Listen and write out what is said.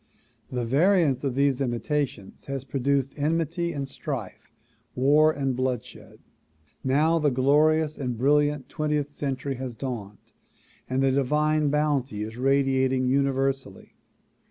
The variance of these imitations has produced enmity and strife, war and blood shed. Now the glorious and brilliant twentieth century has dawned and the divine bounty is radiating universally.